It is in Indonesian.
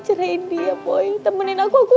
ceraiin dia boy temenin aku aku